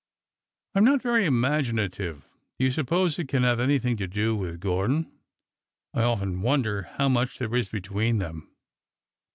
I 'm not very imaginative. Do you suppose it can have anything to do with Gordon ? I often wonder how much there is between them."